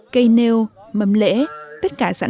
cây nêu mâm lễ tất cả sẵn sàng